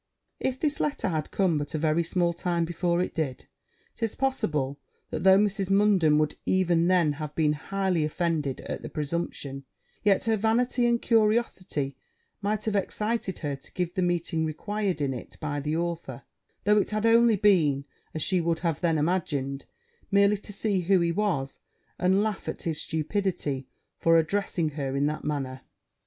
If this letter had come but a very small time before it did, it is possible that, though Mrs. Munden would even then have been highly offended at the presumption, yet her vanity and curiosity might have excited her to give the meeting required in it by the author; though it had only been, as she would then have imagined, merely to see who he was, and laugh at his stupidity for addressing her in that manner.